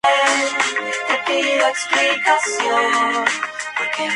La cola ventral es de color azul negruzco.